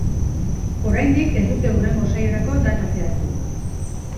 Oraindik ez dute hurrengo saiorako data zehaztu.